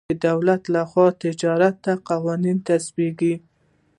دولت له خوا د تجارتي قوانینو تصویب.